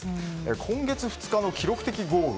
今月２日の記録的豪雨。